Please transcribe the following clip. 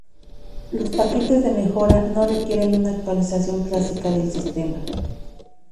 Los paquetes de mejora no requieren una actualización clásica del sistema.